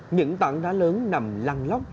những tảng đá lớn nằm lăn lóc